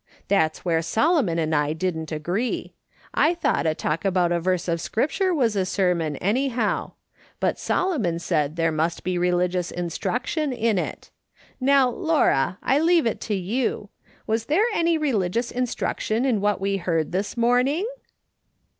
That's where Solomon and I didn't agree. I thought a talk about a verse of Scripture was a sermon, any how ; but Solomon said there must be religious instruction in it. Now, Laura, I leave it to you : Was there any religious instruction in wliat we heard tliis morning